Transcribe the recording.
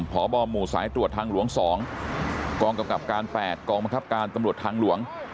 พบหมู่สายตรวจทางหลวง๒กองกำกับการ๘กองบังคับการตำรวจทางหลวง